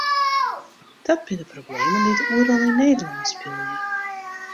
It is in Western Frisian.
Dat binne problemen dy't oeral yn Nederlân spylje.